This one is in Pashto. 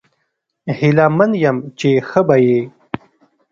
هیله مند یم چې ښه به یې